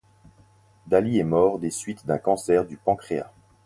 Daly est mort des suites d'un cancer du pancréas.